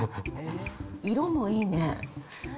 色もいいね。